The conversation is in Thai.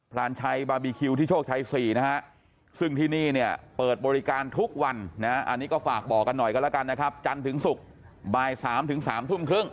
รานชัยบาร์บีคิวที่โชคชัย๔นะฮะซึ่งที่นี่เนี่ยเปิดบริการทุกวันนะอันนี้ก็ฝากบอกกันหน่อยกันแล้วกันนะครับจันทร์ถึงศุกร์บ่าย๓๓ทุ่มครึ่ง